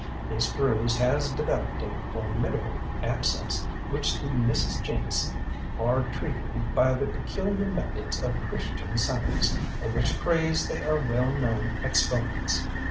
This bruise has developed a formidable abscess, which the Misses Jameson are treating by the peculiar methods of Christian Science, of which craze they are well known exponents.